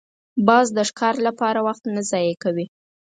باز د ښکار لپاره وخت نه ضایع کوي